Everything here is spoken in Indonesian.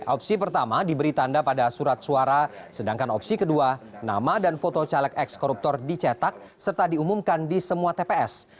opsi pertama diberi tanda pada surat suara sedangkan opsi kedua nama dan foto caleg ex koruptor dicetak serta diumumkan di semua tps